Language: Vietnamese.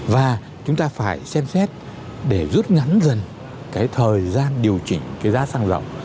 và chúng ta phải xem xét để rút ngắn dần thời gian điều chỉnh giá xăng dầu